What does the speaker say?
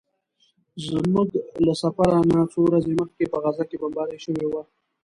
زموږ له سفر نه څو ورځې مخکې په غزه کې بمباري شوې وه.